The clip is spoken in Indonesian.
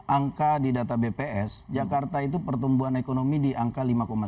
angka di data bps jakarta itu pertumbuhan ekonomi di angka lima enam